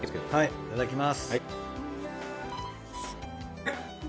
いただきます。